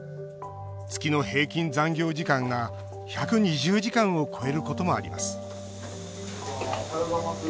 月の平均残業時間が１２０時間を超えることもあります